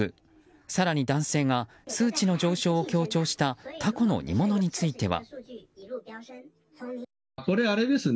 更に男性が数値の上昇を強調したタコの煮物については。